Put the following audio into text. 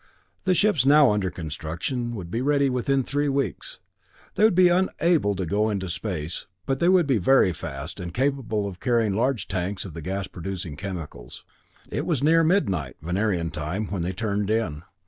The ships now under construction would be ready in three weeks. They would be unable to go into space, but they would be very fast, and capable of carrying large tanks of the gas producing chemicals. It was near midnight, Venerian time, when they turned in.